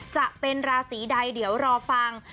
จะเป็นราศีใดเดี๋ยวรอฟัง